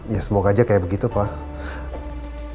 ya semoga aja kayak begitu pak